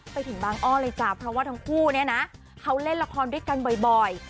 ไปถึงบางอ้อเลยจ้ะเพราะว่าทั้งคู่เนี่ยนะเขาเล่นละครด้วยกันบ่อย